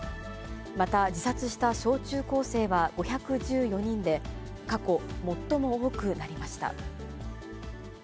また、自殺した小中高生は５１４人で、過去最も多くなりました。